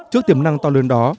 trước tiềm năng to lớn đó